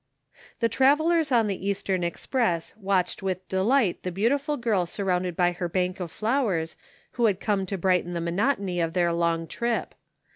The travellers on the Eastern Express watched with delight the beautiful girl surrounded by her bank of flowers who had come to brighten the monotony of their long trip.